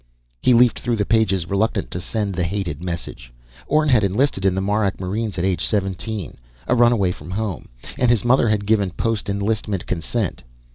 He leafed through the pages, reluctant to send the hated message. Orne had enlisted in the Marak Marines at age seventeen a runaway from home and his mother had given post enlistment consent.